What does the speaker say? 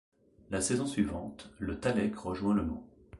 La saison suivante, Le Tallec rejoint Le Mans.